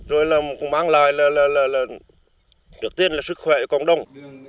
rồi cũng mang lại được tiền sức khỏe của cộng đồng